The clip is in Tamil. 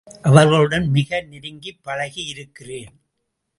அவர்களுடனும் மிக நெருங்கிப் பழகியிருக்கிறேன்.